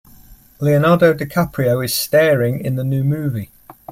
Leonardo DiCaprio is staring in the new movie.